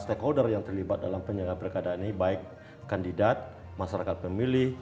stakeholder yang terlibat dalam penyelenggara pilkada ini baik kandidat masyarakat pemilih